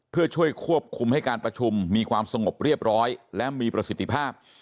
เพื่อช่วยควบคุมให้การประชุมมีความสงบเรียบร้อยและมีประสิทธิภาพ